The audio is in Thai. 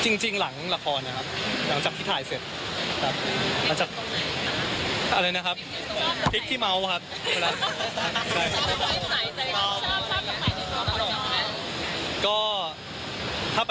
จริงจริงหลังละครนะครับหลังจากที่ถ่ายเสร็จครับแล้วจากอะไรนะครับพลิกที่เมาส์ครับ